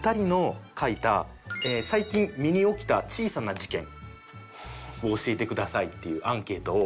最近身に起きた小さな事件を教えてくださいっていうアンケートを。